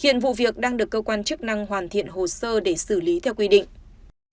hiện vụ việc đang được cơ quan chức năng hoàn thiện hồ sơ để xử lý theo quy định